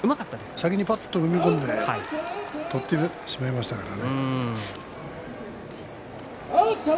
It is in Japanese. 先にぱっと踏み込んで取ってしまいましたからね。